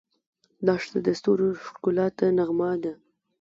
دښته د ستورو ښکلا ته نغمه ده.